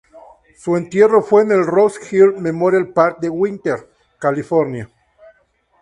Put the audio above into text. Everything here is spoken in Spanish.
Su entierro fue en el Rose Hills Memorial Park en Whittier, California.